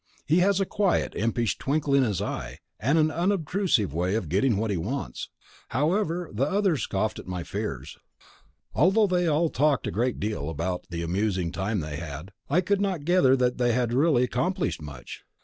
He has a quiet, impish twinkle in his eye, and an unobtrusive way of getting what he wants. However, the others scoffed at my fears. Although they all talked a great deal about the amusing time they had had, I could not gather that they had really accomplished much.